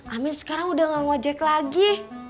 amin sekarang udah gak ngojek lagi